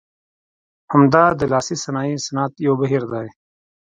همدا د لاسي صنایع صنعت یو بهیر دی.